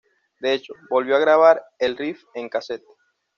De hecho, volvió a grabar el riff en casete.